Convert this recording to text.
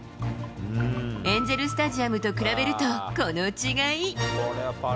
エンゼル・スタジアムと比べると、この違い。